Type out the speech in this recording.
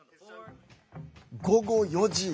午後４時。